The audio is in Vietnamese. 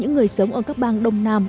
những người sống ở các bang đông nam